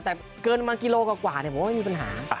แต่เกินมากิโลกว่าผมไม่มีปัญหา